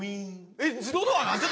えっ自動ドアなん？